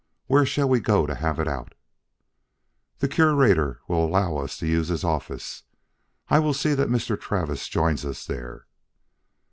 Where shall we go to have it out?" "The Curator will allow us to use his office. I will see that Mr. Travis joins us there."